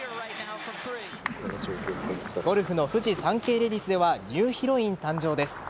ゴルフのフジサンケイレディスではニューヒロイン誕生です。